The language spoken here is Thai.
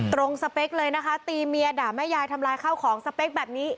สเปคเลยนะคะตีเมียด่าแม่ยายทำลายข้าวของสเปคแบบนี้